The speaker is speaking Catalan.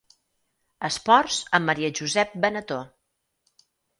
Esports amb Maria Josep Benetó.